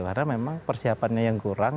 karena memang persiapannya yang kurang